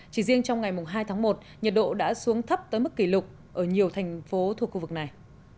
chỉ riêng trong ngày hai tháng một nhiệt độ đã xuống thấp tới mức kỷ lục ở nhiều thành phố thuộc khu vực này